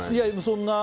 そんな。